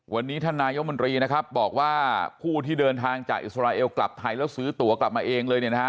วันนี้ท่านนายกมนตรีนะครับบอกว่าผู้ที่เดินทางจากอิสราเอลกลับไทยแล้วซื้อตัวกลับมาเองเลยเนี่ยนะฮะ